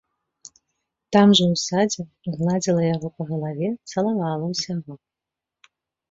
Там жа ў садзе гладзіла яго па галаве, цалавала ўсяго.